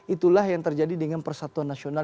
itulah yang terjadi dengan persatuan nasional